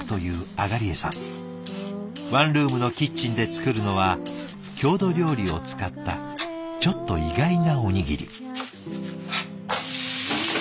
ワンルームのキッチンで作るのは郷土料理を使ったちょっと意外なおにぎり。